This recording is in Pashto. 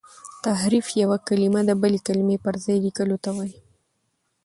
تحريف یو کلمه د بلي کلمې پر ځای لیکلو ته وايي.